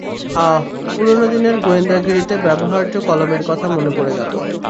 অহ, পুরানো দিনের গোয়েন্দাগিরিতে ব্যবহার্য কলমের কথা মনে পড়ে গেল।